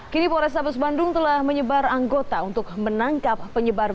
kini pores tabus bandung telah menyebar anggota untuk menangkap penyebarkan